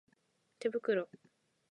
手袋